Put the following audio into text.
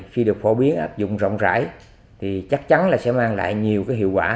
khi được phổ biến áp dụng rộng rãi thì chắc chắn là sẽ mang lại nhiều cái hiệu quả